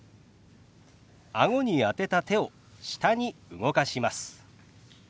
あごに当てた手を下に動かします。